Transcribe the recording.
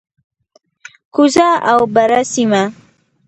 کوزه او بره سیمه،